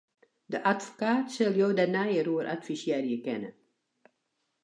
Jo advokaat sil jo dêr neier oer advisearje kinne.